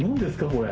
これ。